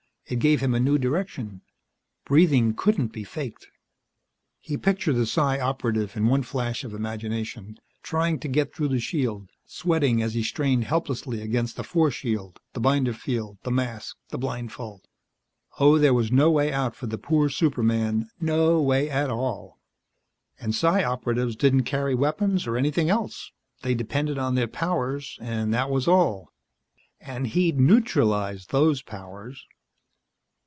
It gave him a new direction. Breathing couldn't be faked. He pictured the Psi Operative, in one flash of imagination, trying to get through the shield, sweating as he strained helplessly against the force shield, the binder field, the mask, the blindfold oh, there was no way out for the poor superman, no way at all. And Psi Operatives didn't carry weapons or anything else. They depended on their powers, and that was all. And he'd neutralized those powers.